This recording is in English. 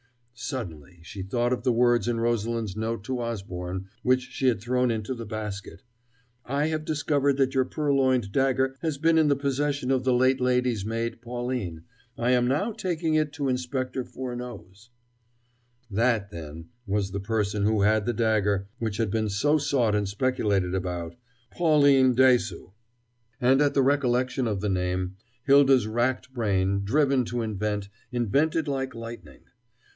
Suddenly she thought of the words in Rosalind's note to Osborne, which she had thrown into the basket: "I have discovered that your purloined dagger has been in the possession of the late lady's maid, Pauline.... I am now taking it to Inspector Furneaux's...." That, then, was the person who had the dagger which had been so sought and speculated about Pauline Dessaulx! And at the recollection of the name, Hylda's racked brain, driven to invent, invented like lightning.